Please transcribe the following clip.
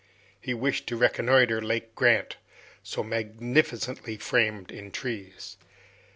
He wished to reconnoiter Lake Grant, so magnificently framed in trees.